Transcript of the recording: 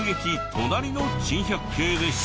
隣の珍百景でした。